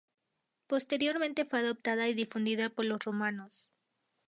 Posteriormente fue adoptada y difundida por los romanos.